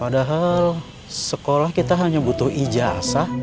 padahal sekolah kita hanya butuh ijasa